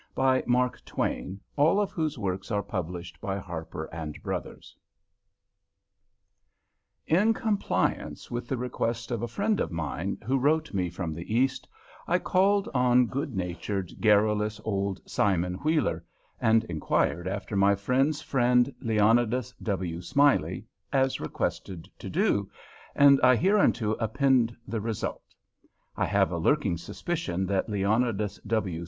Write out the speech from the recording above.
THE CELEBRATED JUMPING FROG OF CALAVERAS COUNTY By Mark Twain (1835–1910) In compliance with the request of a friend of mine, who wrote me from the East, I called on good natured, garrulous old Simon Wheeler, and inquired after my friend's friend, Leonidas W. Smiley, as requested to do, and I hereunto append the result. I have a lurking suspicion that _Leonidas W.